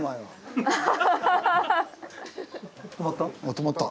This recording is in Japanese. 止まった？